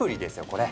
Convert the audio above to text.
これ。